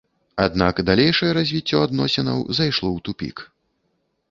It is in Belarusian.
Аднак далейшае развіццё адносінаў зайшло ў тупік.